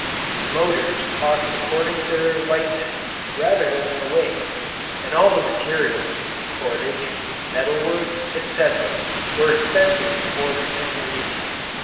The motors cost according to their lightness rather than their weight, and all the materials, cordage, metal work, etc., were expensive for the same reason.